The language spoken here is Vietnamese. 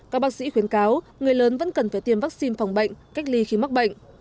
các bác sĩ khuyến cáo người lớn vẫn cần phải tiêm vaccine phòng bệnh cách ly khi mắc bệnh